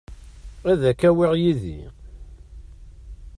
Ad k-awiɣ yid-i.